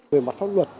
về mặt pháp luật